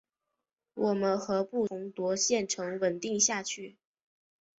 我们何不重夺县城稳守下去？